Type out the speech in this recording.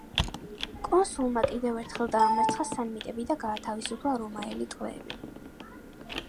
კონსულმა კიდევ ერთხელ დაამარცხა სამნიტები და გაათავისუფლა რომაელი ტყვეები.